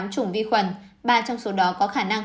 tám chủng vi khuẩn ba trong số đó có khả năng